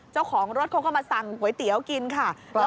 เจ้าของรถเขาก็มาสั่งก๋วยเตี๋ยวกินค่ะ